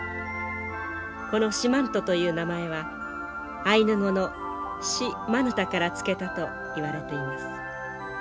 この四万十という名前はアイヌ語の「シ・マヌタ」から付けたといわれています。